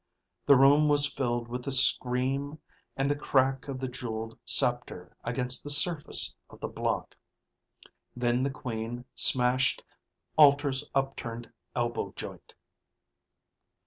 The room was filled with the scream and the crack of the jeweled scepter against the surface of the block. Then the Queen smashed Alter's upturned elbow joint.